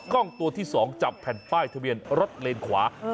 กล้องตัวที่๒จับแผ่นป้ายทะเบียนรถเลนขวา